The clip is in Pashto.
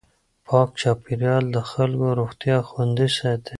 پاک چاپېریال د خلکو روغتیا خوندي ساتي.